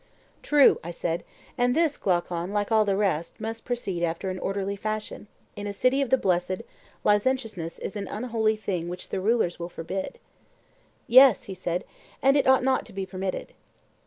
True, I said; and this, Glaucon, like all the rest, must proceed after an orderly fashion; in a city of the blessed, licentiousness is an unholy thing which the rulers will forbid. Yes, he said, and it ought not to be permitted.